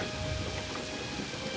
kau adalah putri alexander nonamikus